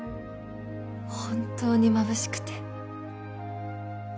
本当にまぶしくて